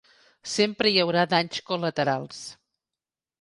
Sempre hi haurà danys col·laterals.